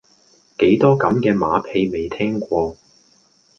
幾多咁嘅馬屁未聽過